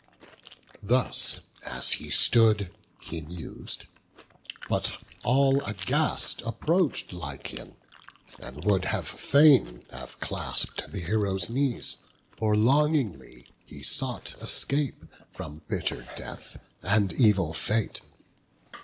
Thus, as he stood, he mus'd; but all aghast Approach'd Lycaon; and would fain have clasp'd The Hero's knees; for longingly he sought Escape from bitter death and evil fate.